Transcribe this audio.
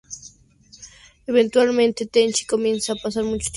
Eventualmente, Tenchi comienza a pasar mucho tiempo a su lado.